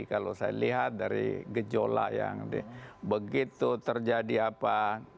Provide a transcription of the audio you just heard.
kalau saya lihat dari gejolak yang begitu terjadi apa